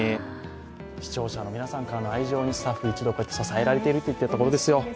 視聴者の皆さんからの愛情にスタッフ一同支えられているといったところですよ。